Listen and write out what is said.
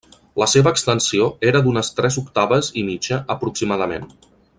La seva extensió era d'unes tres octaves i mitja aproximadament.